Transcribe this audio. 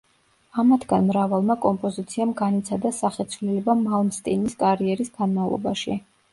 ამათგან მრავალმა კომპოზიციამ განიცადა სახეცვლილება მალმსტინის კარიერის განმავლობაში.